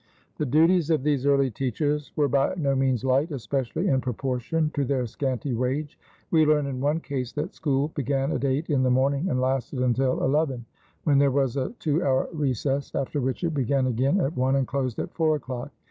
The duties of these early teachers were by no means light, especially in proportion to their scanty wage. We learn in one case that school began at eight in the morning and lasted until eleven, when there was a two hour recess, after which it began again at one and closed at four o'clock.